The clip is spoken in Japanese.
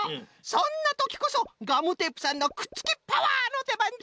そんなときこそガムテープさんのくっつきパワーのでばんじゃ。